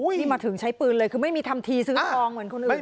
นี่มาถึงใช้ปืนเลยคือไม่มีทำทีซื้อทองเหมือนคนอื่น